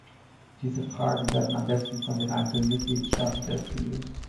Diese Fragen werden am besten von den einzelnen Mitgliedstaaten selbst gelöst.